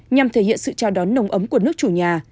nhằm thể hiện sự chào đón nồng ấm của nước chủ nhà